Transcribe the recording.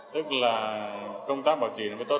tức là công tác bảo trì nó mới tốt